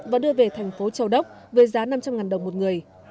và đưa về thành phố châu đốc với giá năm trăm linh đồng một người